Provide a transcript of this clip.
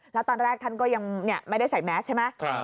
แล้วตอนแรกท่านก็ยังไม่ได้ใส่แมสใช่ไหม